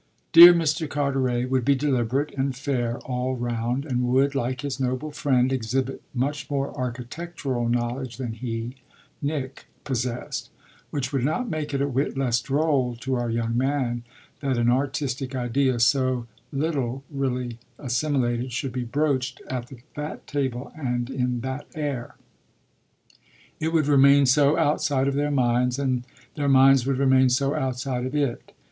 Dear Mr. Carteret would be deliberate and fair all round and would, like his noble friend, exhibit much more architectural knowledge than he, Nick, possessed: which would not make it a whit less droll to our young man that an artistic idea, so little really assimilated, should be broached at that table and in that air. It would remain so outside of their minds and their minds would remain so outside of it.